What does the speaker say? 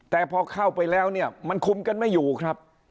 แต่พอเข้าไปแล้วเนี่ยมันคุมกันไม่อยู่ครับ